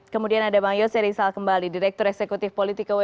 kemudian ada bang yose rizal kembali direktur eksekutif politika